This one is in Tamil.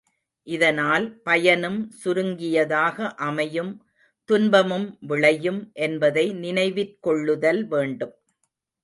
இதனால் பயனும் சுருங்கியதாக அமையும் துன்பமும் விளையும் என்பதை நினைவிற்கொள்ளுதல் வேண்டும்.